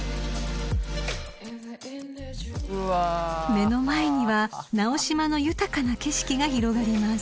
［目の前には直島の豊かな景色が広がります］